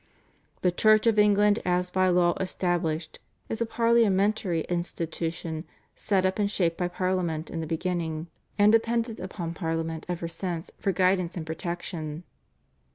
"The Church of England as by law established" is a parliamentary institution set up and shaped by Parliament in the beginning, and dependent upon Parliament ever since for guidance and protection.